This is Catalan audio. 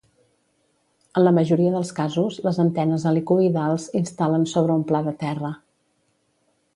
En la majoria dels casos, les antenes helicoïdals instal·len sobre un pla de terra.